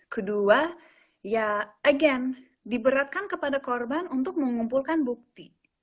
kedua ya again diberatkan kepada korban untuk mengumpulkan bukti